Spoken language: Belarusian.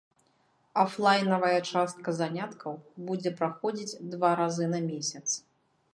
Афлайнавая частка заняткаў будзе праходзіць два разы на месяц.